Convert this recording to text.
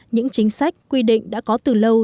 những chính sách quy định đã có từ lâu